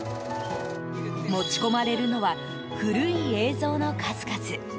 持ち込まれるのは古い映像の数々。